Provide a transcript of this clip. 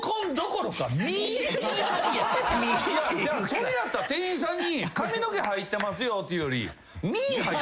それやったら店員さんに髪の毛入ってますよって言うより。